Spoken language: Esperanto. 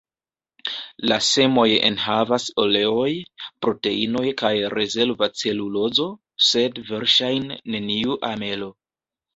La semoj enhavas oleoj, proteinoj kaj rezerva celulozo, sed verŝajne neniu amelo.